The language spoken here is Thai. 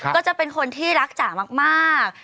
ก็จะเป็นคนที่รักจ๋ามาก